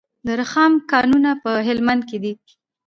د رخام کانونه په هلمند کې دي